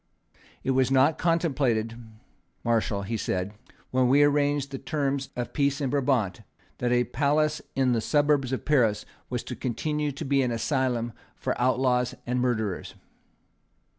"It was not contemplated, Marshal," he said, "when we arranged the terms of peace in Brabant, that a palace in the suburbs of Paris was to continue to be an asylum for outlaws and murderers."